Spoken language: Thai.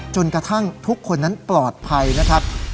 จนกระทั่งทุกคนนั้นปลอดภัยนะครับ